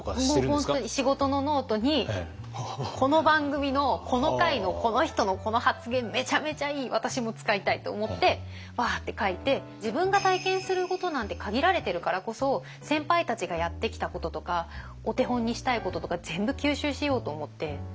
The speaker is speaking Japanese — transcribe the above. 本当に仕事のノートにこの番組のこの回のこの人のこの発言めちゃめちゃいい私も使いたい！と思ってワーッて書いて自分が体験することなんて限られてるからこそ先輩たちがやってきたこととかお手本にしたいこととか全部吸収しようと思って。